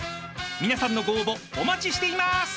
［皆さんのご応募お待ちしています！］